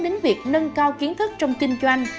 đến việc nâng cao kiến thức trong kinh doanh